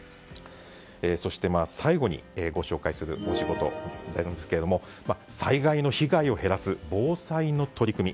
そして最後にご紹介するお仕事ですが災害の被害を減らす防災の取り組み。